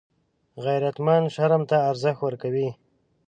غیرتمند شرم ته ارزښت ورکوي